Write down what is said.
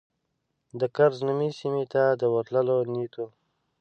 د کرز نومي سیمې ته د ورتلو نیت و.